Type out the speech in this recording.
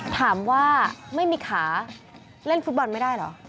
ถามว่าไม่มีขาเล่นฟุตบอลไม่ได้เหรอ